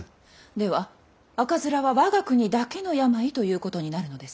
では赤面は我が国だけの病ということになるのですか？